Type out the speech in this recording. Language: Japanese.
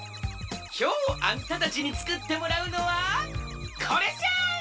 きょうあんたたちにつくってもらうのはこれじゃ！